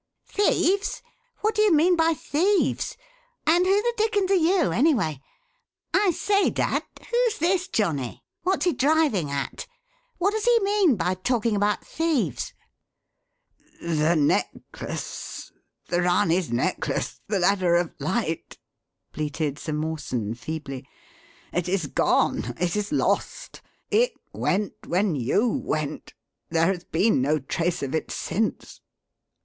"Thieves? What do you mean by thieves? And who the dickens are you, anyway? I say, dad, who's this johnnie? What's he driving at? What does he mean by talking about thieves?" "The necklace the Ranee's necklace! The Ladder of Light!" bleated Sir Mawson feebly. "It is gone! It is lost! It went when you went. There has been no trace of it since."